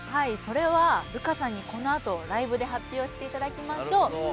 それはルカさんにこのあとライブで発表していただきましょう。